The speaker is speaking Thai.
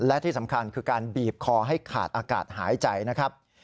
และที่สำคัญคือการบีบคอให้ขาดอากาศหายใจนะครับ